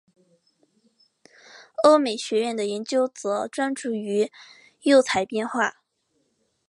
欧美学界的研究则专注于釉彩变化。